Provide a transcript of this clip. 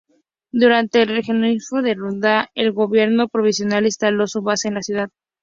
Durante el genocidio de Ruanda, el gobierno provisional instaló su base en la ciudad.